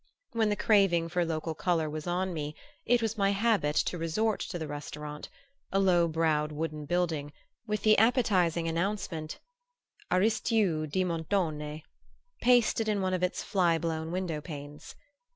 When the craving for local color was on me it was my habit to resort to the restaurant, a low browed wooden building with the appetizing announcement: "Aristiù di montone" pasted in one of its fly blown window panes.